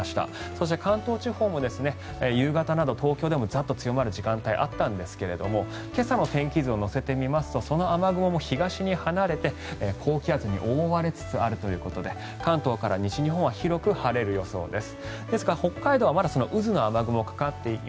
そして関東地方も夕方など東京でもザッと強まる時間帯があったんですがその時間帯の気圧を乗せてみますとその雨雲も東に離れて高気圧に覆われつつあるということで関東から西日本は広く青空で晴れる予想です。